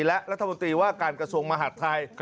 และรัฐมนตรีว่าการกระทรวงมหาดไทย